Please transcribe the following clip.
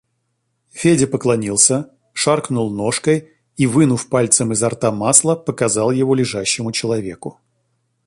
Федя поклонился, шаркнул ножкой и, вынув пальцем изо рта масло, показал его лежащему человеку.